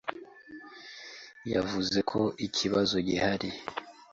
Yavuze ko ikibazo gihari